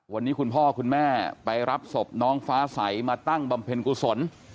วันนี้คุณพ่อคุณแม่ไปรับศพน้องฟ้าใสมาตั้งบำเพ็ญกุศล